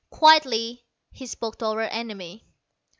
Quietly he spoke to our enemy.